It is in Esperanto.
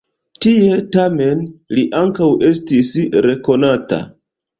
Tie, tamen, li ankaŭ estis rekonata.